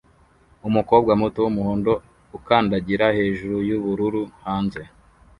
Umukobwa muto wumuhondo ukandagira hejuru yubururu hanze